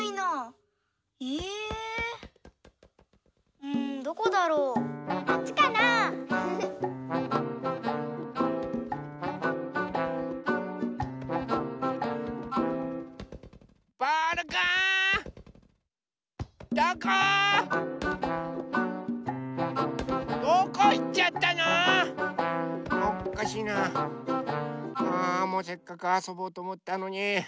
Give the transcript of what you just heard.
あもうせっかくあそぼうとおもったのに。